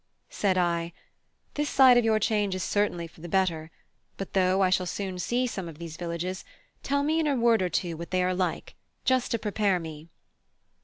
Said I: "This side of your change is certainly for the better. But though I shall soon see some of these villages, tell me in a word or two what they are like, just to prepare me."